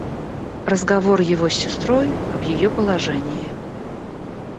Разговор его с сестрой об ее положении.